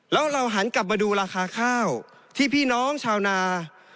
แล้วเราหันกลับมาดูราคาข้าวที่พี่น้องชาวนา